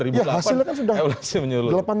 dua ribu delapan evaluasi menyeluruh